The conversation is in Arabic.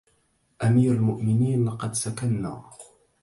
أمير المؤمنين لقد سكنا